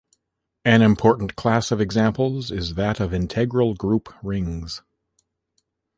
An important class of examples is that of integral group rings.